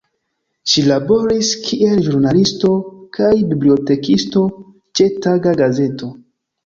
Ŝi laboris kiel ĵurnalisto kaj bibliotekisto ĉe taga gazeto.